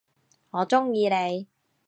我中意你！